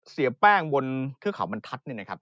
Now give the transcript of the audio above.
เสียแป้งบนเทือข่าวบันทัศน์